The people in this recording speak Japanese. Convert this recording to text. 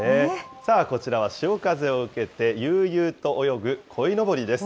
さあ、こちらは潮風を受けて悠々と泳ぐこいのぼりです。